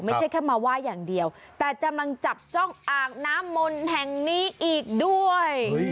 ไม่ใช่แค่มาไหว้อย่างเดียวแต่กำลังจับจ้องอ่างน้ำมนต์แห่งนี้อีกด้วย